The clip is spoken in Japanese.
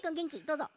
どうぞ！